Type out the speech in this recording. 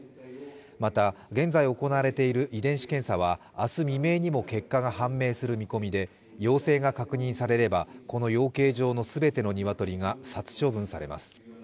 また、現在行われている遺伝子検査は明日未明にも結果が判明する見込みで、陽性が確認されればこの養鶏場の全てのニワトリが殺処分されます。